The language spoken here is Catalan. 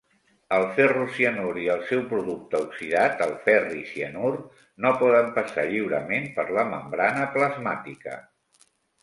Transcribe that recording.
El ferrocianur i el seu producte oxidat, el ferricianur, no poden passar lliurement per la membrana plasmàtica.